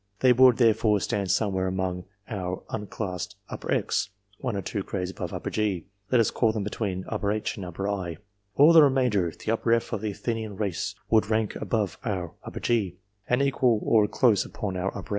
They would, therefore, stand somewhere among our unclassed X, one or two grades above G let us call them between H and I. All the remainder the F of the Athenian race would rank above our G, and equal to or close upon our H.